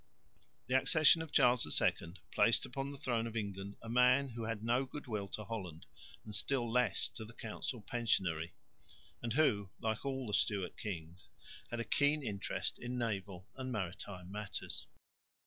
The accession of Charles II placed upon the throne of England a man who had no goodwill to Holland and still less to the council pensionary, and who, like all the Stewart kings, had a keen interest in naval and maritime matters.